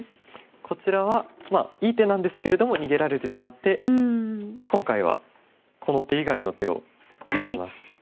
こちらはいい手なんですけれども逃げられてしまって今回はこの手以外の手を選びます。